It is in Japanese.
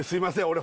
俺